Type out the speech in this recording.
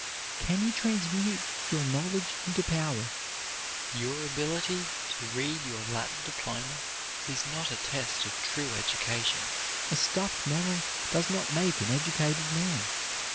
Can you transmute your knowledge into power? Your ability to read your Latin diploma is not a test of true education; a stuffed memory does not make an educated man.